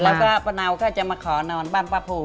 เสร็จแล้วก็ป้าเนาจะมาขอนอนบ้านป้าผู